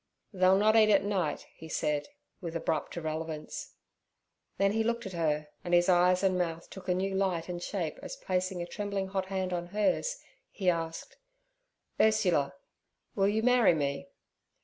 'They'll not eat at night' he said, with abrupt irrelevance. Then he looked at her, and his eyes and mouth took a new light and shape as placing a trembling hot hand on hers, he asked: 'Ursula, will you marry me?'